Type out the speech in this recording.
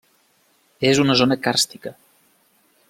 És una zona càrstica.